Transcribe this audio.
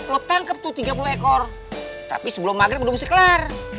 lo tangkep tuh tiga puluh ekor tapi sebelum maghrib udah mesti kelar